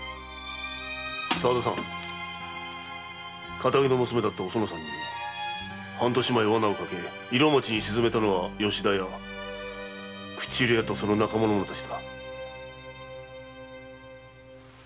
堅気の娘だったおそのさんに半年前罠をかけ色町に沈めたのは吉田屋口入れ屋と仲間の者たちだ。